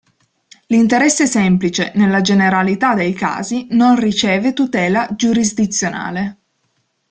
L'interesse semplice, nella generalità dei casi, non riceve tutela giurisdizionale.